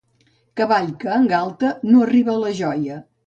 Cavall que engalta no arriba a la joia.